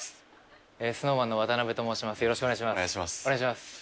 よろしくお願いします。